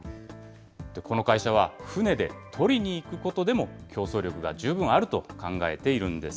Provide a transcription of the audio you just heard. この会社は、船で取りにいくことでも競争力が十分あると考えているんです。